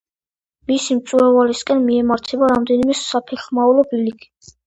მისი მწვერვალისკენ მიემართება რამდენიმე საფეხმავლო ბილიკი.